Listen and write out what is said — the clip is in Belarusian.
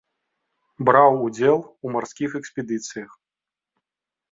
Браў удзел у марскіх экспедыцыях.